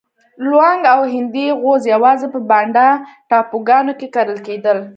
لونګ او هندي غوز یوازې په بانډا ټاپوګانو کې کرل کېدل.